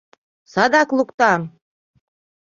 Садак луктам!